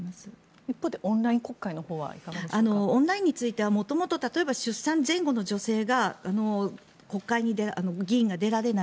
一方でオンライン国会のほうはオンラインについては例えば、出産前後の女性が国会に議員が出られない